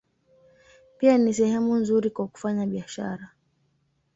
Pia ni sehemu nzuri kwa kufanya biashara.